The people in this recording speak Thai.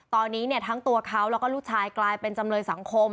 ตอนนี้ทั้งตัวเขาแล้วก็ลูกชายกลายเป็นจำเลยสังคม